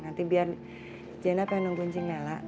nanti biar jenap yang nunggu cinglala